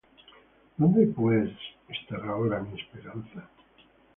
¿Dónde pues estará ahora mi esperanza?